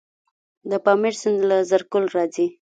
د پامیر سیند له زرکول راځي